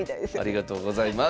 ありがとうございます。